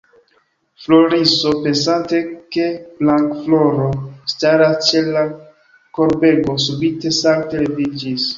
Floriso, pensante ke Blankafloro staras ĉe la korbego, subite salte leviĝis.